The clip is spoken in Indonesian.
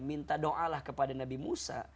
minta doa lah kepada nabi musa